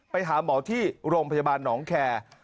ไปหาหมอที่โรงพยาบาลหนองแคร์